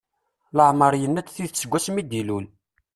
Leɛmeṛ yenna-d tidet seg wasmi d-ilul.